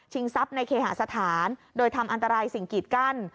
ทรัพย์ในเคหาสถานโดยทำอันตรายสิ่งกีดกั้น